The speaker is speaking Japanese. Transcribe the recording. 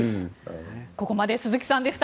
ここまで鈴木さんでした。